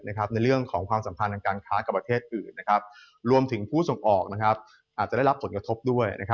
ในเรื่องของความสัมพันธ์ทางการค้ากับประเทศอื่นรวมถึงผู้ส่งออกอาจจะได้รับผลกระทบด้วย